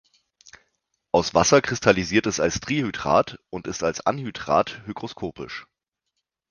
Aus Wasser kristallisiert es als Trihydrat und ist als Anhydrat hygroskopisch.